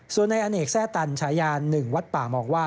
ส่วนในอเนกแร่ตันฉายา๑วัดป่ามองว่า